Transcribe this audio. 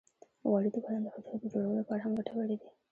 غوړې د بدن د حجرو د جوړولو لپاره هم ګټورې دي.